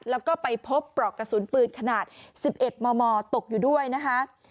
แล้วก็ไปพบปลอกกระสุนปืนขนาด๑๑มมตกอยู่ด้วยนะคะ